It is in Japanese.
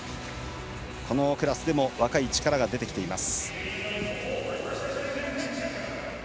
このクラスでも若い力が出てきています。